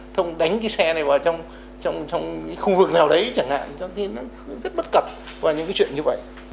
trong khu vực nào đấy chẳng hạn cho nên nó rất bất cập vào những cái chuyện như vậy